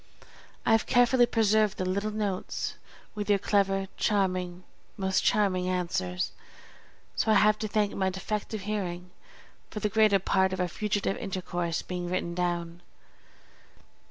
I have carefully preserved the little notes with your clever, charming, most charming answers; so I have to thank my defective hearing for the greater part of our fugitive intercourse being written down.